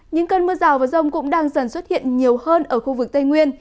những cơn mưa rào và rông cũng đang dần xuất hiện nhiều hơn ở khu vực tây nguyên